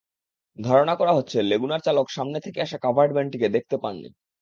ধারণা করা হচ্ছে, লেগুনার চালক সামনে থেকে আসা কাভার্ড ভ্যানটিকে দেখতে পাননি।